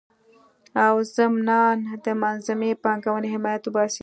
او ضمنان د منظمي پانګوني حمایت به وسي